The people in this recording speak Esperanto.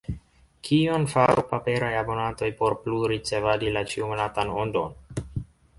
Kion faru paperaj abonantoj por plu ricevadi la ĉiumonatan Ondon?